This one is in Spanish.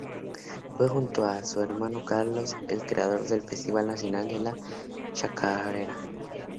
Fue junto a su hermano Carlos el creador del Festival nacional de la Chacarera.